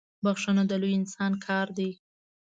بخښنه د لوی انسان کار دی.